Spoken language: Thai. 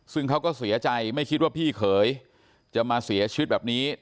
ซึ่งเขาก็เสียใจไม่คิดว่าพี่เขยจะมาเสียชีวิตแบบนี้